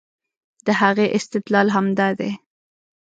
د هغې استدلال همدا دی